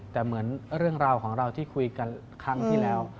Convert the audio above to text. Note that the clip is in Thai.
แต่เหมือนเรื่องราวของเราที่คุยกันครั้งที่แล้ว